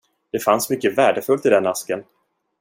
Det fanns mycket värdefullt i den asken.